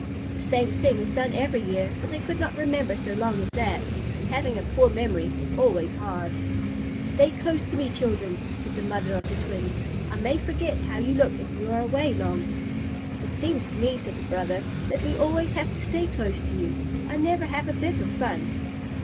The same thing was done every year, but they could not remember so long as that, and having a poor memory is always hard. "Stay close to me, children," said the mother of the twins. "I may forget how you look if you are away long." "It seems to me," said the brother, "that we always have to stay close to you. I never have a bit of fun!"